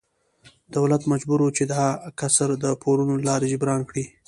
دولت مجبور و چې دا کسر د پورونو له لارې جبران کړي.